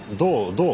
どう？